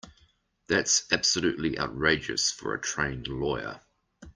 That's absolutely outrageous for a trained lawyer.